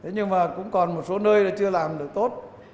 nhưng mà cũng còn một số nơi chưa làm được tốt